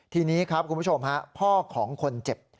ทีนี้ครับคุณผู้ชมฮะพ่อของคนเจ็บ